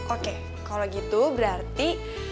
oke kalau gitu berarti